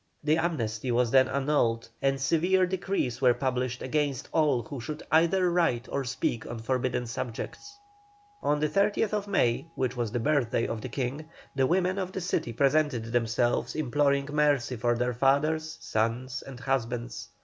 The amnesty was then annulled, and severe decrees were published against all who should either write or speak on forbidden subjects. On the 30th May, which was the birthday of the King, the women of the city presented themselves, imploring mercy for their fathers, sons, and husbands.